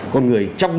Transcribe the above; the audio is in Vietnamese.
con người trong mình